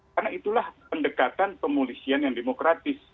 karena itulah pendekatan pemolisian yang demokratis